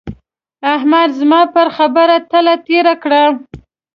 احمد زما پر خبره تله تېره کړه.